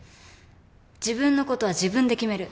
自分の事は自分で決める。